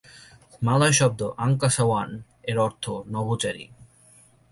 মালয় শব্দ আংকাসাওয়ান-এর অর্থ নভোচারী।